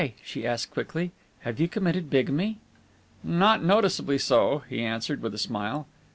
she asked quickly. "Have you committed bigamy?" "Not noticeably so," he answered, with a smile.